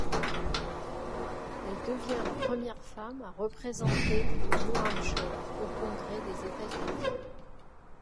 Elle devient la première femme à représenter le New Hampshire au Congrès des États-Unis.